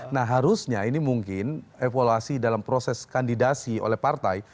nah harusnya ini mungkin evaluasi dalam proses kandidasi oleh partai